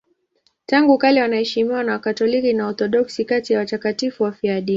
Tangu kale wanaheshimiwa na Wakatoliki na Waorthodoksi kati ya watakatifu wafiadini.